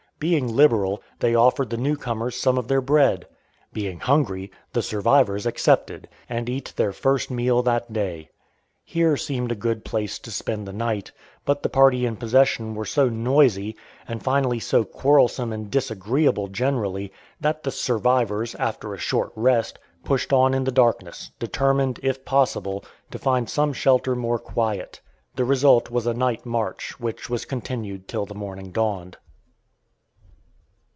Being liberal, they offered the new comers some of their bread. Being hungry, the "survivors" accepted and eat their first meal that day. Here seemed a good place to spend the night, but the party in possession were so noisy, and finally so quarrelsome and disagreeable generally, that the "survivors," after a short rest, pushed on in the darkness, determined, if possible, to find some shelter more quiet. The result was a night march, which was continued till the morning dawned.